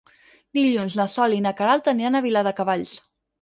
Dilluns na Sol i na Queralt aniran a Viladecavalls.